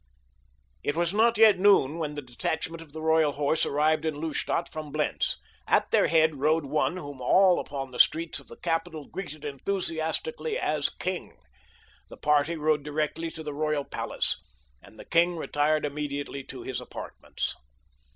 It was not yet noon when the detachment of the Royal Horse arrived in Lustadt from Blentz. At their head rode one whom all upon the streets of the capital greeted enthusiastically as king. The party rode directly to the royal palace, and the king retired immediately to his apartments.